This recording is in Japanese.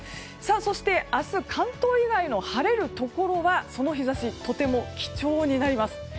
そして明日、関東以外の晴れるところはその日差しとても貴重になります。